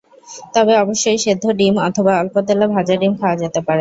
তবে অবশ্যই সেদ্ধ ডিম অথবা অল্প তেলে ভাজা ডিম খাওয়া যেতে পারে।